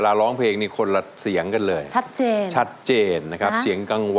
รักแต่พี่ด้วยใจเดียวรักแต่พี่ด้วยใจเดียว